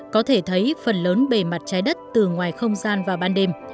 có thể thấy phần lớn bề mặt trái đất từ ngoài không gian vào ban đêm